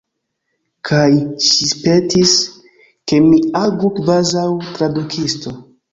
Kaj ŝi petis, ke mi agu kvazaŭ tradukisto.